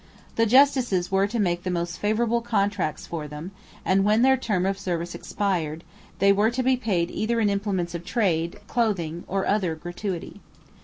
The justices were to make the most favourable contracts for them, and when their term of service expired, they were to be paid either in implements of trade, clothing, or other gratuity.